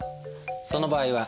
その場合は。